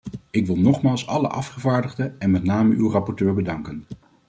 Ik wil nogmaals alle afgevaardigden en met name uw rapporteur bedanken.